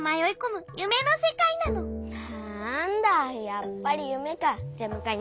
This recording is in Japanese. やっぱりゆめか。